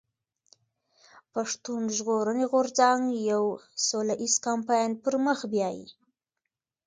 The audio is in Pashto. پښتون ژغورني غورځنګ يو سوله ايز کمپاين پر مخ بيايي.